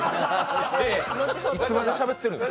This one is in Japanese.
いつまでしゃべってるんですか？